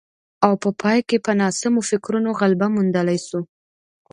او په پای کې په ناسمو فکرونو غلبه موندلای شو